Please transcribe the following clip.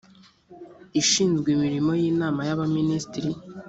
ishinzwe imirimo y’inama y’abaminisitiri